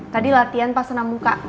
tadi latihan pas namu kak